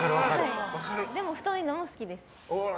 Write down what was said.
でも太いのも好きです。